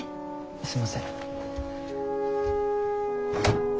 すいません。